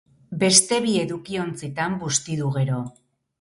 Beste bi edukiontzitan busti du gero.